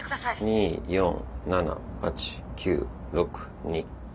２４７８９６２。